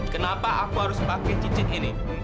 kenapa aku harus pakai cicit ini